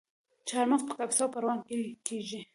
چهارمغز په کاپیسا او پروان کې کیږي.